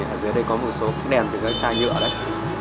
ở dưới đây có một số đèn từ dưới chai nhựa đấy